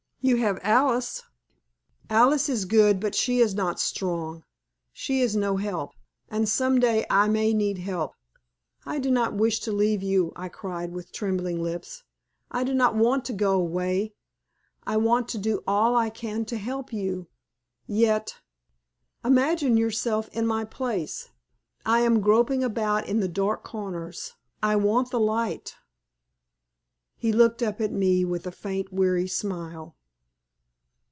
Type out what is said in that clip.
"You have Alice " "Alice is good, but she is not strong. She is no help and some day I may need help." "I do not wish to leave you," I cried, with trembling lips. "I do not want to go away. I want to do all I can to help you yet imagine yourself in my place! I am groping about in the dark corners, I want the light." He looked up at me with a faint, weary smile.